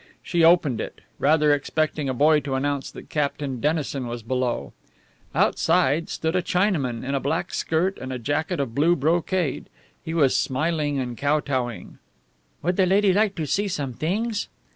She opened it, rather expecting a boy to announce that Captain Dennison was below. Outside stood a Chinaman in a black skirt and a jacket of blue brocade. He was smiling and kotowing. "Would the lady like to see some things?"